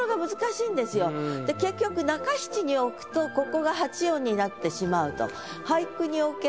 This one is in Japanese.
結局中七に置くとここが８音になってしまうと。